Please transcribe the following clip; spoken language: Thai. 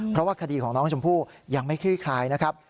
เพราะว่าคดีของน้องชมพู่ยังไม่คลี่คลายนะครับ